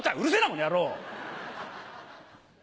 この野郎！」。